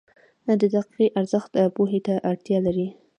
• د دقیقه ارزښت پوهې ته اړتیا لري.